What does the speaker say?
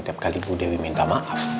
tiap kali ibu dewi minta maaf